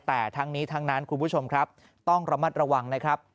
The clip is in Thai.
แต่ทั้งนี้ทั้งนั้นคุณผู้ชมครับต้องระมัดระวังนะครับ